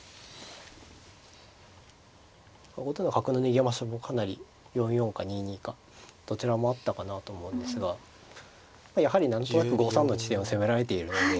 後手の角の逃げ場所もかなり４四か２二かどちらもあったかなと思うんですがやはり何となく５三の地点を攻められているので。